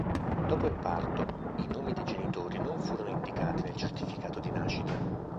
Dopo il parto, i nomi dei genitori non furono indicati nel certificato di nascita.